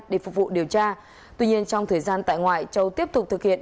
để phục vụ điều tra tuy nhiên trong thời gian tại ngoại châu tiếp tục thực hiện